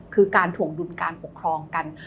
คือการถวงดุลการปกครองกัน